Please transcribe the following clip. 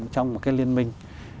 trong một cái liên minh